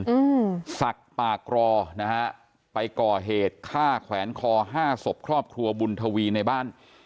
อืมสักปากรอนะฮะไปก่อเหตุฆ่าแขวนคอห้าศพครอบครัวบุญทวีในบ้าน